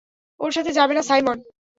ওর সাথে যাবে না, সাইমন?